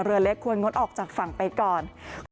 เรือเล็กควรงดออกจากฝั่งไปก่อน